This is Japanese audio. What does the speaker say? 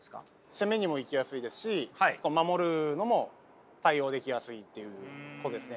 攻めにも行きやすいですし守るのも対応できやすいっていうことですね。